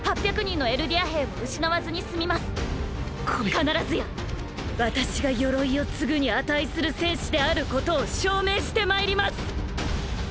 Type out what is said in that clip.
必ずや私が「鎧」を継ぐに値する戦士であることを証明して参ります。